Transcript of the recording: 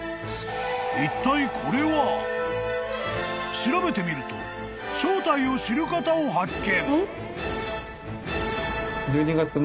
［調べてみると正体を知る方を発見］